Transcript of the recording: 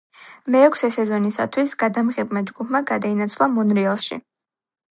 მეექვსე სეზონისათვის, გადამღებმა ჯგუფმა გადაინაცვლა მონრეალში.